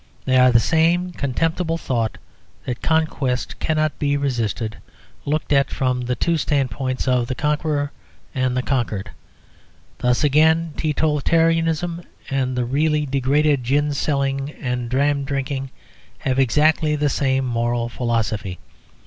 They are the same contemptible thought that conquest cannot be resisted, looked at from the two standpoints of the conqueror and the conquered. Thus again teetotalism and the really degraded gin selling and dram drinking have exactly the same moral philosophy.